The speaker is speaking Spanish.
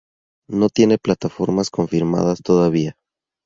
No tiene plataformas confirmadas todavía.